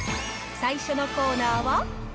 最初のコーナーは。